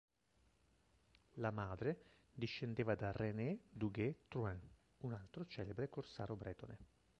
La madre discendeva da René Duguay-Trouin, un altro celebre corsaro bretone.